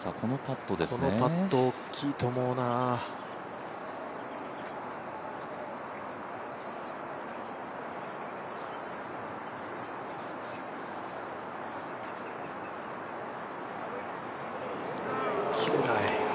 このパット、大きいと思うな切れない。